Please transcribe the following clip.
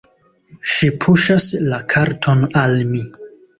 Ŝi puŝas la karton al mi.